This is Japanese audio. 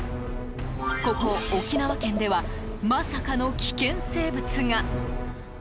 ここ、沖縄県ではまさかの危険生物が。